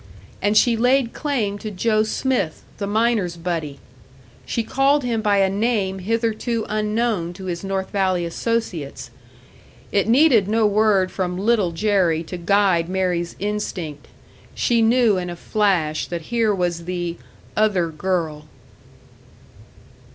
And she laid claim to Joe Smith, the miner's buddy! She called him by a name hitherto unknown to his North Valley associates! It needed no word from Little Jerry to guide Mary's instinct; she knew in a flash that here was the "other girl."